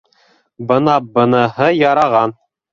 — Бына быныһы яраған.